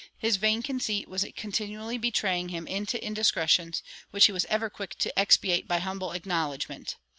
His vain conceit was continually betraying him into indiscretions, which he was ever quick to expiate by humble acknowledgment.